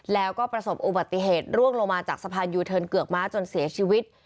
แล้วก็ประสบอุบัติเหตุร่วงลงมาจากสะพานยูเทิร์นเกือกม้าจนเสียชีวิต